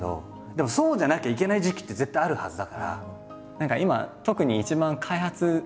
でもそうじゃなきゃいけない時期って絶対あるはずだから。